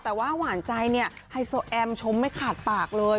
แต่ว่าหวานใจเนี่ยไฮโซแอมชมไม่ขาดปากเลย